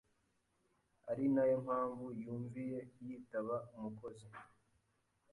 ari nayo mpamvu yumviye yitaba umukozi